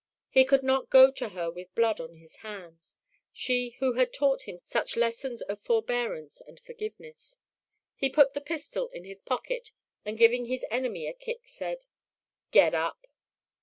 He could not go to her with blood on his hands she who had taught him such lessons of forbearance and forgiveness. He put the pistol in his pocket and giving his enemy a kick, said, "Get up!"